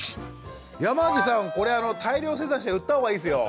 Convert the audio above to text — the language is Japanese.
山地さんこれ大量生産して売ったほうがいいですよ。